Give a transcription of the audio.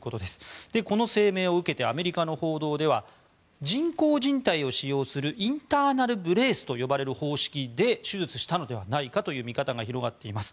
この声明を受けてアメリカの報道では人工じん帯を使用するインターナル・ブレースと呼ばれる方式で手術したのではないかという見方が広がっています。